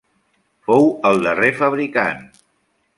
Fou el darrer fabricant.